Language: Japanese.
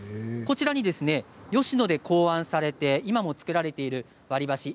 こちらに吉野で考案されて今も作られている割り箸